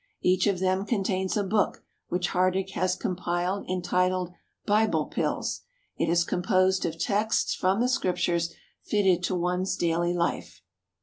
Each of them contains a book which Hardegg has compiled entitled " Bible Pills." It is composed of texts from the Scriptures fitted to one's daily life.